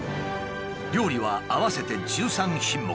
料理は合わせて１３品目。